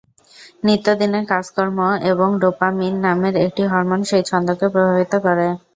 নিত্যদিনের কাজকর্ম এবং ডোপামিন নামের একটি হরমোন সেই ছন্দকে প্রভাবিত করে।